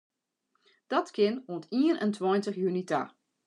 Dat kin oant ien en tweintich juny ta.